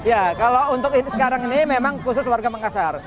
ya kalau untuk sekarang ini memang khusus warga makassar